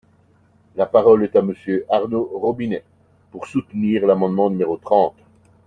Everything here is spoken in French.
La parole est à Monsieur Arnaud Robinet, pour soutenir l’amendement numéro trente.